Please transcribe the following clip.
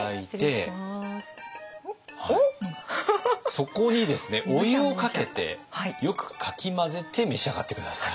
そこにですねお湯をかけてよくかき混ぜて召し上がって下さい。